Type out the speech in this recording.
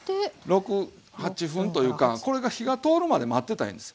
６８分というかこれが火が通るまで待ってたらええんですよ。